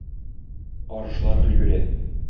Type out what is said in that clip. Арышлар өлгерә.